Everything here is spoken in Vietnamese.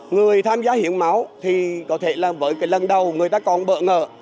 người tham gia hiến máu thì có thể là với lần đầu người ta còn bỡ ngờ